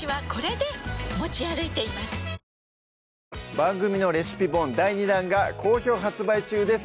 番組のレシピ本第２弾が好評発売中です